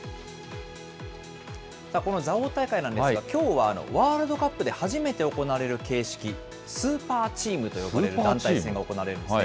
この蔵王大会なんですが、きょうは、ワールドカップで初めて行われる形式、スーパーチームと呼ばれる団体戦が行われるんですね。